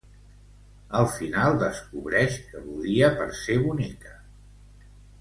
Al final, descobrix que l'odia per ser bonica.